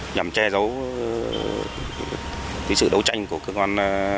nhằm che giấu sự đấu tranh của cơ quan